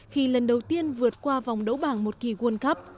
khi lần đầu tiên vượt qua vòng đấu bảng một kỳ world cup